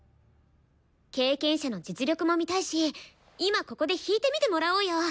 経験者の実力も見たいし今ここで弾いてみてもらおうよ。